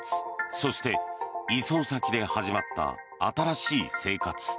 そして、移送先で始まった新しい生活。